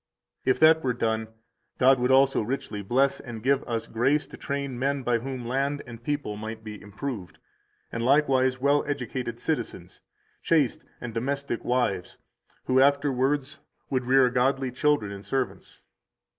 175 If that were done, God would also richly bless us and give us grace to train men by whom land and people might be improved, and likewise well educated citizens, chaste and domestic wives, who afterwards would rear godly children and servants.